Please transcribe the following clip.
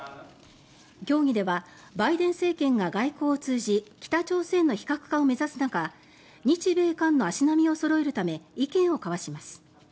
協議ではバイデン政権が外交を通じ北朝鮮の非核化を目指す中日米韓の足並みをそろえるため意見を交わします。